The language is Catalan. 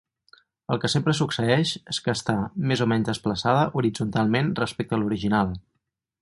El que sempre succeeix és que està més o menys desplaçada horitzontalment respecte a l'original.